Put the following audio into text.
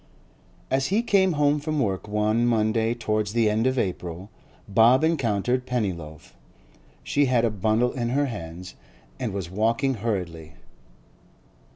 As he came home from work one Monday towards the end of April, Bob encountered Pennyloaf; she had a bundle in her hands and was walking hurriedly.